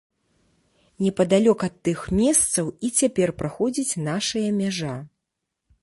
Непадалёк ад тых месцаў і цяпер праходзіць нашая мяжа.